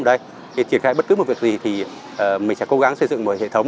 thì triển khai bất cứ một việc gì thì mình sẽ cố gắng xây dựng một hệ thống